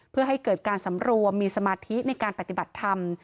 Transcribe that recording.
เพื่อให้เกิดการสำรวมมีสมาธิในการปฏิบัติธรรม